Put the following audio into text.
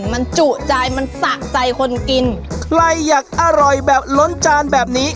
มันจุใจมันสะใจคนกินใครอยากอร่อยแบบล้นจานแบบนี้